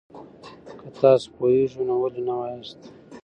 که تاسو پوهېږئ، نو ولې نه وایاست؟